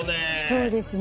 そうですね。